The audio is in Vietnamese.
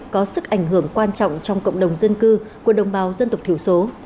có sức ảnh hưởng quan trọng trong cộng đồng dân cư của đồng bào dân tộc thiểu số